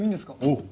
おう。